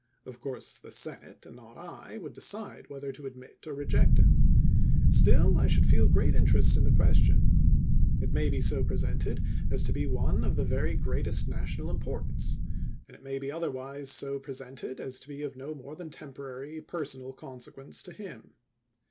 Of course the Senate, and not I, would decide whether to ad mit or reject him. Still I should feel great interest in the question. It may be so presented as to be one of the very greatest National importance ; and it may be other wise so presented as to be of no more than temporary personal consequence to him.